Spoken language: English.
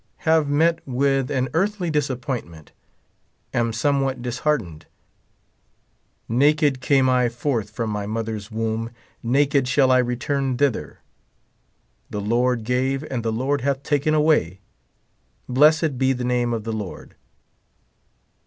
Have met with an earthly disappointment. Am somewhat disheartened. Naked came I forth from my mother's womb, naked shall I return thither. The Lord gave and the Lord hath taken away : blessed be the name of the Lord.